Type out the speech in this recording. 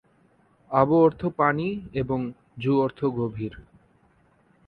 আব অর্থ পানি এবং জু অর্থ গভীর।